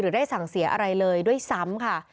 ได้สั่งเสียอะไรเลยด้วยซ้ำค่ะ